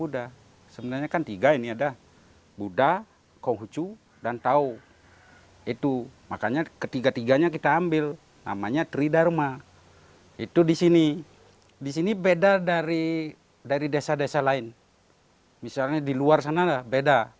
dari desa desa lain misalnya di luar sana beda